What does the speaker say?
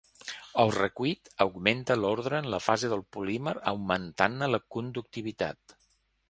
El recuit augmenta l'ordre en la fase del polímer augmentant-ne la conductivitat.